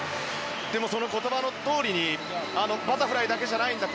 その言葉のとおりにバタフライだけじゃないんだ